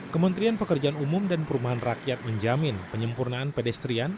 kementerian pekerjaan umum dan perumahan rakyat menjamin penyempurnaan pedestrian